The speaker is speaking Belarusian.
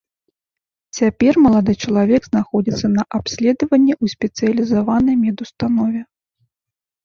Цяпер малады чалавек знаходзіцца на абследаванні ў спецыялізаванай медустанове.